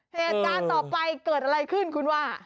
เหตุการณ์ต่อไปเกิดอะไรขึ้นคุณว่า